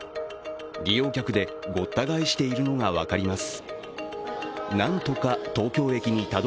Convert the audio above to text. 利用客でごった返しているのが分かります。